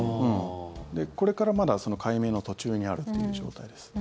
これからまだ解明の途中にあるという状態です。